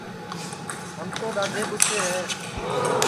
ہم تو ڈؔاڈھے ٻوچے